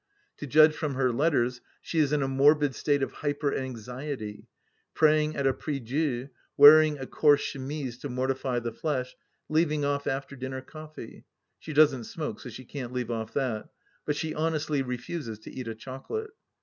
To judge from her letters, she is in a morbid state of hyper anxiety, praying at a prie Dieu, wearing a coarse chemise to mortify the flesh, leaving off after dinner coffee — she doesn't smoke so she can't leave off that — ^but she honestly refuses to eat a chocolate.